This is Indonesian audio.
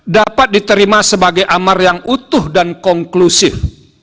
dapat diterima sebagai amar yang utuh dan konklusif